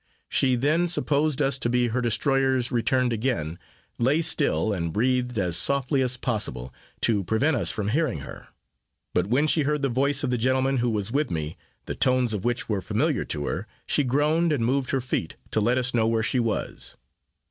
She then, supposing us to be her destroyers returned again, lay still, and breathed as softly as possible, to prevent us from hearing her; but when she heard the voice of the gentleman who was with me, the tones of which were familiar to her, she groaned and moved her feet, to let us know where she was.